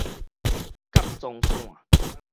甲狀腺